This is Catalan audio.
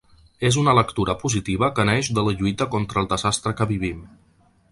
És una lectura positiva que neix de la lluita contra el desastre que vivim.